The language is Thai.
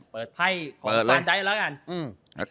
เปิดไภไปของเจ๊คำด้วยแล้วกัน